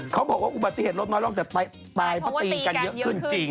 เขาบอกว่าอุบัติเหตุรถมาร่องแต่ตายเพราะตีกันเยอะขึ้นจริง